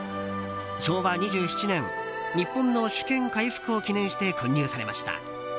昭和２７年、日本の主権回復を記念して建立されました。